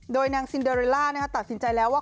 โดยนางซินเดอริล่าตัดสินใจแล้วว่า